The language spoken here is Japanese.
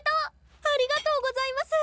ありがとうございます！